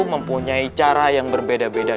mempunyai cara yang berbeda beda